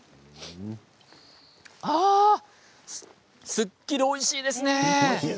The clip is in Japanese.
すっきりとおいしいですね。